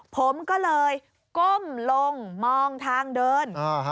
ผมก็เลยก้มลงมองทางเดิน